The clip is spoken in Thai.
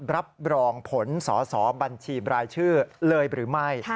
รับรองผลสอสอบัญชีบรายชื่อเลยหรือไม่